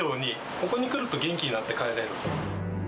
ここに来ると元気になって帰れる。